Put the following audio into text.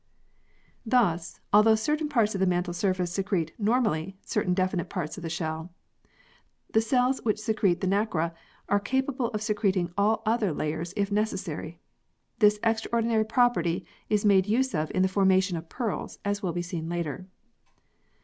Thus, although certain parts of the mantle surface secrete normally certain definite parts of the shell, the cells which secrete the nacre are capable of secreting all the other layers if necessary. This extraordinary property is made use of in the formation of pearls, as will be seen later.